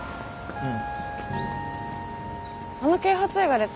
うん。